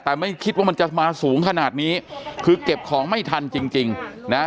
แต่ไม่คิดว่ามันจะมาสูงขนาดนี้คือเก็บของไม่ทันจริงจริงนะฮะ